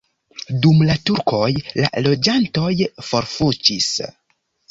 Dum la turkoj la loĝantoj forfuĝis.